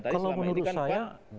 kalau menurut saya